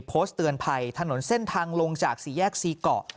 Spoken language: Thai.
โพสต์เตือนภัยถนนเส้นทางลงจากสี่แยกซีเกาะ